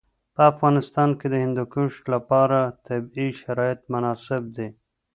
په افغانستان کې د هندوکش لپاره طبیعي شرایط مناسب دي.